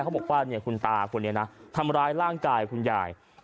เขาบอกว่าเนี่ยคุณตาคนนี้นะทำร้ายร่างกายคุณยาย